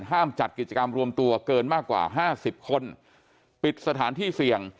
จัดกิจกรรมรวมตัวเกินมากกว่าห้าสิบคนปิดสถานที่เสี่ยง